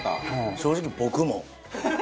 正直僕も。